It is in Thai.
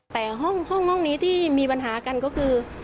แต่ห้องนี้ที่มีปัญหากันก็คือ